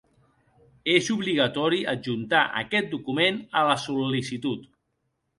És obligatori adjuntar aquest document a la sol·licitud.